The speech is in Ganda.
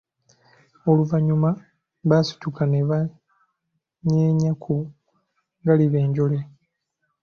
Oluvanyuma baasituka ne banyeenya ku galiba enjole.